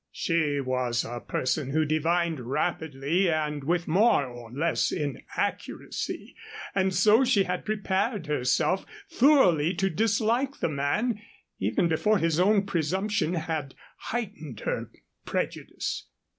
She was a person who divined rapidly and with more or less inaccuracy, and so she had prepared herself thoroughly to dislike the man, even before his own presumption had heightened her prejudice.